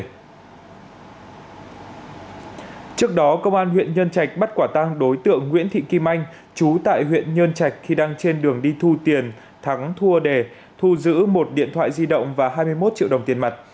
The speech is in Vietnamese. trước đó công an huyện nhân trạch bắt quả tăng đối tượng nguyễn thị kim anh chú tại huyện nhơn trạch khi đang trên đường đi thu tiền thắng thua đề thu giữ một điện thoại di động và hai mươi một triệu đồng tiền mặt